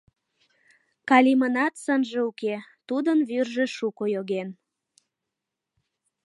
Калимынат сынже уке, тудын вӱржӧ шуко йоген.